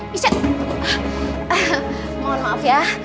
ditip dulu lampanya